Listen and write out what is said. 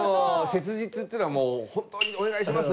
切実っていうのはもう「本当にお願いします！」